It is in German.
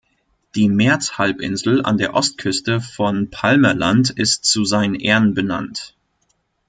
Die Merz-Halbinsel an der Ostküste von Palmerland ist zu seinen Ehren benannt.